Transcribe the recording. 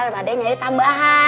pak de nyari tambahan